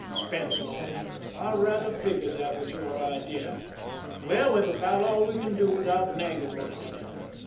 Spence nodded. " I rather figured that was your idea. Well, we've about all we can do without nagging one another.